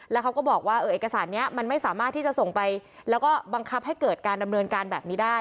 แล้วเขาก็บอกว่าเอกสารนี้มันไม่สามารถที่จะส่งไปแล้วก็บังคับให้เกิดการดำเนินการแบบนี้ได้